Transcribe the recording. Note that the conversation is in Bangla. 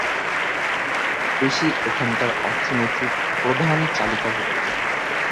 কৃষি এখানকার অর্থনীতির প্রধান চালিকা শক্তি।